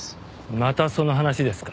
またその話ですか？